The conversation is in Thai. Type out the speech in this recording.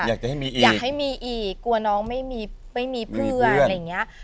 อยากให้มีอีกกลัวน้องไม่มีเพื่อนอะไรอย่างเงี้ย